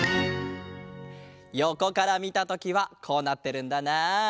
よこからみたときはこうなってるんだなあ。